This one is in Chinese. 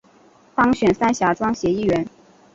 当选三峡庄协议员